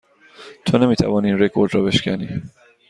تو نمی توانی این رکورد را بشکنی.